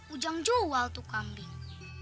ujang jual tuh kambing